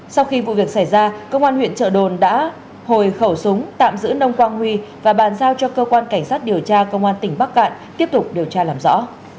sau khi vụ việc xảy ra công an huyện trợ đồn đã hồi khẩu súng tạm giữ nông quang huy và bàn giao cho cơ quan cảnh sát điều tra công an tỉnh bắc cạn tiếp tục điều tra làm rõ